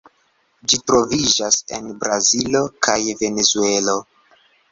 Ĝi troviĝas en Brazilo kaj Venezuelo.